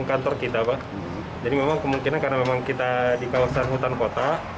kantor kita pak jadi memang kemungkinan karena memang kita di kawasan hutan kota